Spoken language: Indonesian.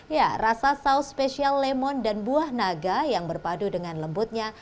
ya rasa saus spesial lemon dan buah naga yang berpadu dengan lembutnya